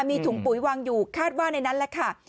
มีถุงปุ๋ยวางอยู่คาดว่าในนั้นแหละค่ะ